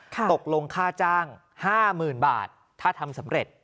ตกลงค่าจ้าง๕๐๐๐บาทถ้าทำสำเร็จ